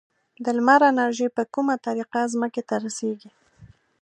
د لمر انرژي په کومه طریقه ځمکې ته رسیږي؟